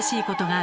あ。